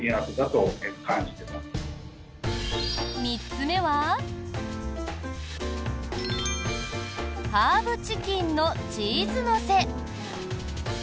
３つ目はハーブチキンのチーズのせ。